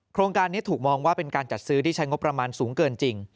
โครงการนี้ถูกมองว่าเป็นการจัดซื้อที่ใช้งบประมาณสูงเกินจริง